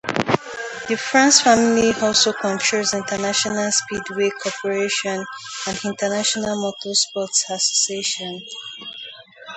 The France family also controls International Speedway Corporation and International Motor Sports Association.